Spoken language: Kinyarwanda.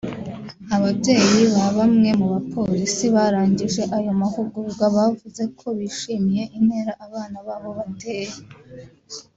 Ababyeyi ba bamwe mu bapolisi barangije ayo mahugurwa bavuze ko bishimiye intera abana babo bateye